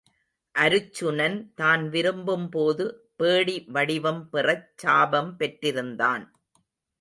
அருச்சுனன் தான் விரும்பும்போது பேடி வடிவம் பெறச் சாபம் பெற்றிருந்தான்.